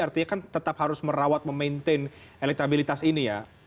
artinya kan tetap harus merawat memaintain elektabilitasnya